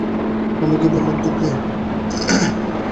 আমি কি বললাম তোকে?